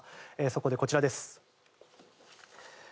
そこでこちらです。